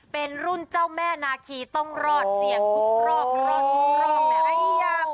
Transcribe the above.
เป็นรุ่นเจ้าแม่นาคีต้องรอดเสียงคุกรอบรอดอ๋อ